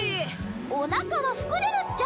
おなかは膨れるっちゃ！